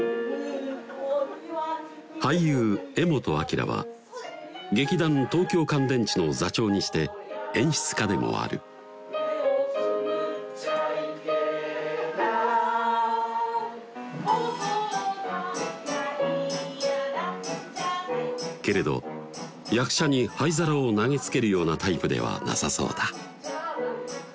俳優・柄本明は「劇団東京乾電池」の座長にして演出家でもある「目をつむっちゃいけない」けれど役者に灰皿を投げつけるようなタイプではなさそうだ